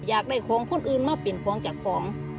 อยากได้ของคนอื่นมาเปลี่ยนของจากของ